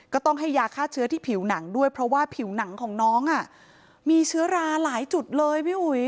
ก็ต้องให้ยาฆ่าเชื้อที่ผิวหนังด้วยเพราะว่าผิวหนังของน้องมีเชื้อราหลายจุดเลยพี่อุ๋ย